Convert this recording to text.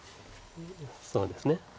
そうですね。